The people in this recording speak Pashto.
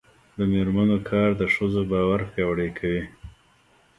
د میرمنو کار د ښځو باور پیاوړی کوي.